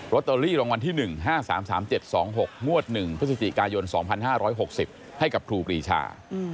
ตเตอรี่รางวัลที่๑๕๓๓๗๒๖งวด๑พฤศจิกายน๒๕๖๐ให้กับครูปรีชา